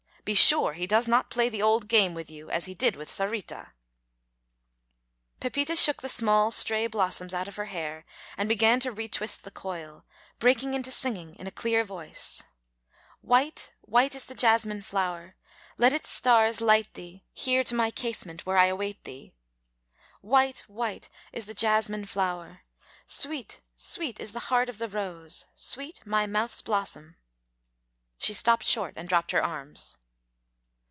Be sure he does not play the old game with you as he did with Sarita." [Illustration: Shook the small stray blossoms out of her hair 069] Pepita shook the small stray blossoms out of her hair and began to retwist the coil, breaking into singing in a clear voice: "White, white is the jasmine flower; Let its stars light thee Here to my casement, Where I await thee. White, white is the jasmine flower, Sweet, sweet is the heart of the rose, Sweet my mouth's blossom " She stopped short and dropped her arms.